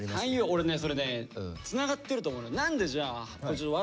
俺ねそれねつながってると思うの。